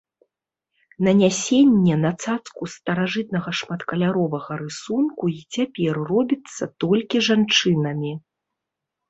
Нанясенне на цацку старажытнага шматкаляровага рысунку і цяпер робіцца толькі жанчынамі.